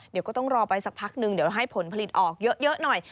เดี๋ยวก็ต้องรอไปสักพักนึงเดี๋ยวให้ผลผลิตออกเยอะหน่อย